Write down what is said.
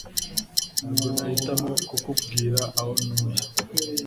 Ntabwo nahitamo kukubwira aho ntuye